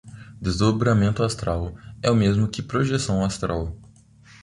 Desdobramento astral é o mesmo que projeção astral